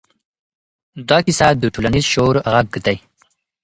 دا کیسه د ټولنیز شعور غږ دی.